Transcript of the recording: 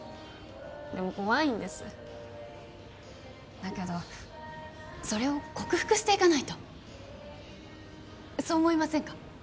でも怖いんですだけどそれを克服していかないとそう思いませんか？